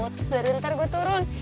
terus biar ntar gue turun